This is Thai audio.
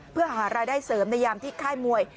เพื่อหารายได้เสริมในยามที่ค่ายมวย